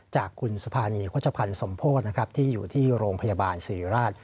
จากคุณสุภานีโฆษภัณฑ์สมโพธินะครับที่อยู่ที่โรงพยาบาลสิริราช